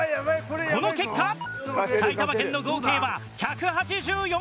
この結果埼玉県の合計は１８４キロ。